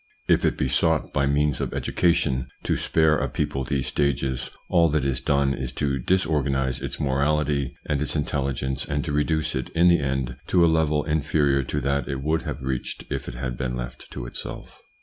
If it be sought, by means of education, to spare a people these stages, all that is done is to disorganise its morality and its intelli gence, and to reduce it in the end to a level inferior to that it would have reached if it had been left to itself.